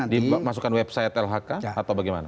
dimasukkan website lhk atau bagaimana